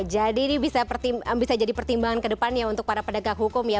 jadi ini bisa jadi pertimbangan ke depannya untuk para pedagang hukum ya